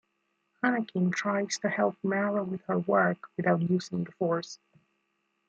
Anakin tries to help Mara with her work, without using the force.